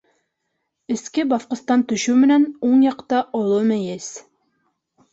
Эске баҫҡыстан төшөү менән уң яҡта оло мейес.